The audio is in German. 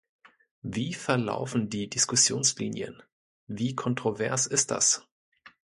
Wie verlaufen die Diskussionslinien, wie kontrovers ist das?